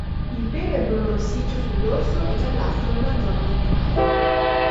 Il pelo è bruno-rossiccio sul dorso e giallastro nella zona ventrale.